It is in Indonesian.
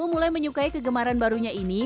mulai menyukai kegemaran barunya ini